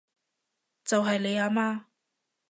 就係你阿媽